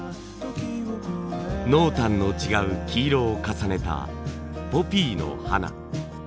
濃淡の違う黄色を重ねたポピーの花。